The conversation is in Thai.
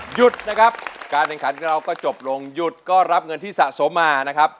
หยุดนะครับการแข่งขันของเราก็จบลงหยุดก็รับเงินที่สะสมมานะครับ